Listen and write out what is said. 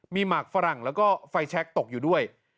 มีหมากฝรั่งแล้วก็ไฟแชคตกอยู่ด้วย